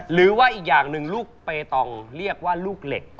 หรือว่าอีกอย่างหนึ่งลูกเปตองเรียกว่าลูกเหล็ก